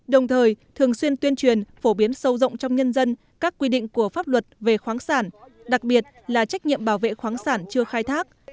đồng thời thường xuyên tuyên truyền phổ biến sâu rộng trong nhân dân các quy định của pháp luật về khoáng sản đặc biệt là trách nhiệm bảo vệ khoáng sản chưa khai thác